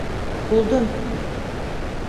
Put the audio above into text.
Buldun.